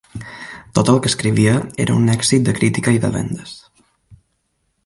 Tot el que escrivia era un èxit de crítica i de vendes.